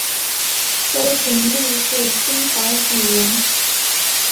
周廷励是清朝举人。